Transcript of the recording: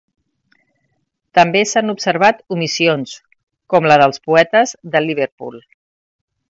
També s'han observat omissions, com la dels poetes de Liverpool.